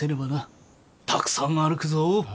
たくさん歩くぞ。